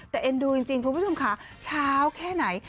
แต่เอ็นดูจริงคุณผู้ชมค่ะเช้าแค่ไหน